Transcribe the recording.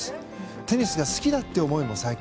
テニスが好きだという思いも最強。